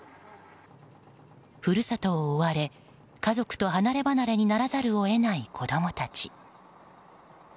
故郷を追われ家族と離ればなれにならざるを得ない子供たち。